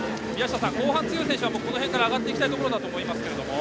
後半に強い選手はこの辺から上がっていきたいと思いますが。